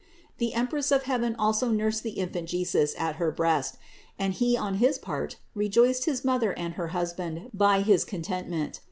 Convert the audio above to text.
The Empress of heaven also nursed the Infant Jesus at her breast and He on his part re joiced his Mother and her husband by his contentment.